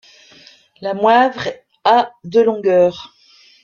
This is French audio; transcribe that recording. La Moivre a de longueur.